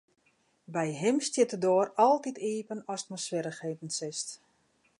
By him stiet de doar altyd iepen ast mei swierrichheden sitst.